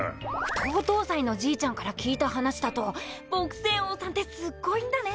刀々斎のじいちゃんから聞いた話だと朴仙翁さんってすっごいんだね。